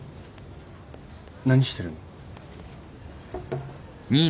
何してるの？